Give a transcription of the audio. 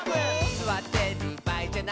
「すわってるばあいじゃない」